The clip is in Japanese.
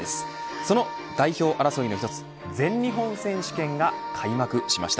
その代表争いの一つ全日本選手権が開幕しました。